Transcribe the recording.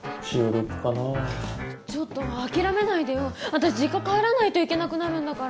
私実家帰らないといけなくなるんだから。